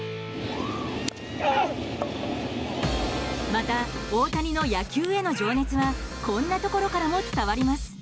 また、大谷の野球への情熱はこんなところからも伝わります。